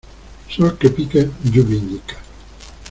Sol que pica, lluvia indica.